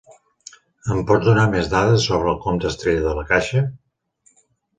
Em pots donar més dades sobre el compte Estrella de La Caixa?